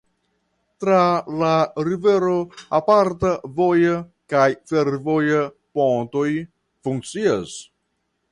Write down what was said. Tra la rivero aparta voja kaj fervoja pontoj funkcias.